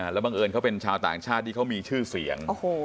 แล้วบังเอิญเขาเป็นชาวต่างชาติที่เขามีชื่อเสียง